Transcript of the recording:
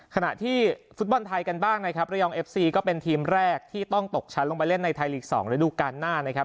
ขณะที่ฟุตบอลไทยกันบ้างนะครับระยองเอฟซีก็เป็นทีมแรกที่ต้องตกชั้นลงไปเล่นในไทยลีก๒ฤดูการหน้านะครับ